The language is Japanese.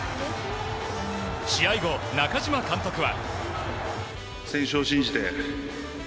試合後、中嶋監督は。